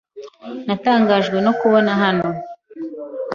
Natangajwe no kukubona hano.